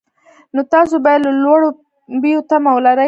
نو تاسو باید د لوړو بیو تمه ولرئ